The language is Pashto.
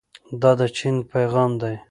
دا د چین پیغام دی.